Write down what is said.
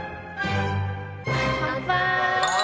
乾杯！